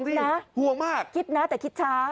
นะห่วงมากคิดนะแต่คิดช้า